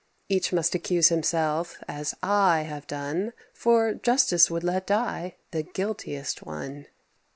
Each must accuse himself, as I Have done; for justice would let die The guiltiest one."